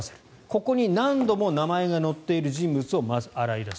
ここに何度も名前が載っている人物をまず洗い出す。